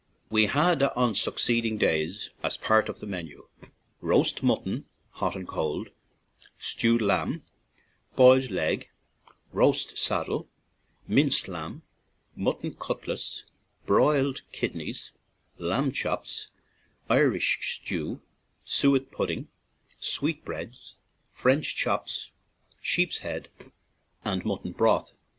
We had on succeeding days, as part of the menu, roast mutton (hot and cold), stewed lamb, boiled leg, roast saddle, minced lamb, mutton cutlets, broiled kidneys, lamb chops, Irish stew, suet pudding, sweet breads, French chops, sheep's head, and mutton broth.